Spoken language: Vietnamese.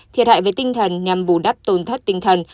thiệt hại về tinh thần nhằm bù đắp tổn thất tinh thần